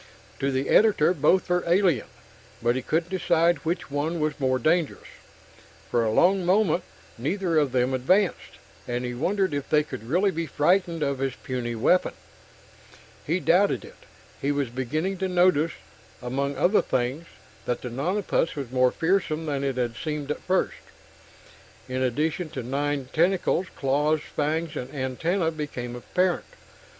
To the editor, both were alien but he couldn't decide which one was more dangerous. For a long moment, neither of them advanced, and he wondered if they could really be frightened of his puny weapon. He doubted it. He was beginning to notice, among other things, that the nonapus was more fearsome than it had seemed at first in addition to nine tentacles, claws, fangs and antenna became apparent.